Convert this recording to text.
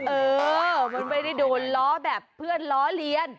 เออมันไม่ได้โดนล้อแบบเพื่อนล้อเลียน